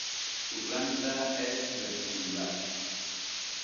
Su planta es rectangular.